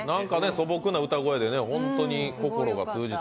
素朴な歌声で、本当に心が通じた。